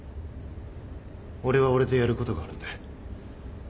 俺は俺でやることがあるんで。